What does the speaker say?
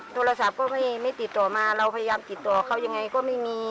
โทรศัพท์ก็ไม่ติดต่อมาเราพยายามติดต่อเขายังไงก็ไม่มี